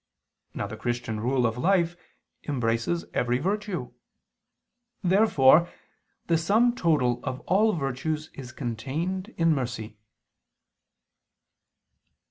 Now the Christian rule of life embraces every virtue. Therefore the sum total of all virtues is contained in mercy.